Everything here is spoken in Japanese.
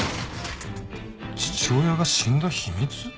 父親が死んだ秘密？